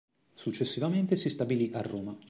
Successivamente si stabilì a Roma.